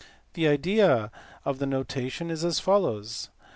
The idea of the notation is as follows.